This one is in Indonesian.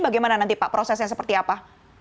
bagaimana nanti pak prosesnya seperti apa